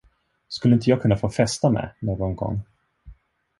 Skulle inte jag kunna få festa med någon gång?